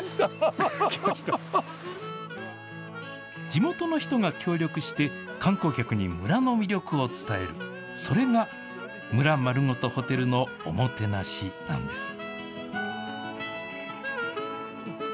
地元の人が協力して、観光客に村の魅力を伝える、それが村まるごとホテルのおもてなしなんです。